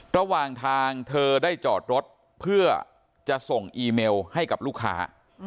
ระหว่างทางเธอได้จอดรถเพื่อจะส่งอีเมลให้กับลูกค้า